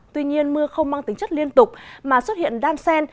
tuy nhiên mưa không mang tính chất liên tục mà xuất hiện đan sen